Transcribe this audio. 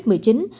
cho trẻ em